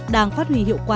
đang phát huy hiệu quả